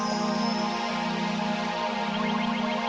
ibu ranti itu ibu kandung oli